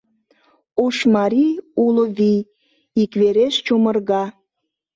Ош марий — Уло вий — Иквереш чумырга.